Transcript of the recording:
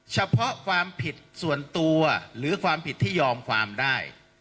เฉพาะความผิดส่วนตัวหรือความผิดที่ยอมความได้